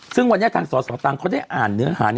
ซึ่งวันนี้ทางสสตังเขาได้อ่านเนื้อหา